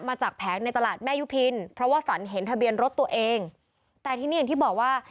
แผงในตลาดแม่ยุพินเพราะว่าฝันเห็นทะเบียนรถตัวเองแต่ทีนี้อย่างที่บอกว่า